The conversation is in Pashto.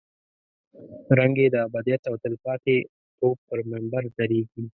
رنګ یې د ابدیت او تلپاتې توب پر منبر درېږي.